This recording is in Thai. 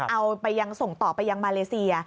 เอาไปยังส่งต่อไปยังมาเลเซีย